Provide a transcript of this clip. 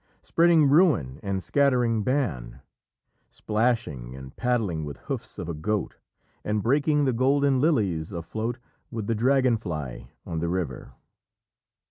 Spreading ruin and scattering ban, Splashing and paddling with hoofs of a goat, And breaking the golden lilies afloat With the dragon fly on the river.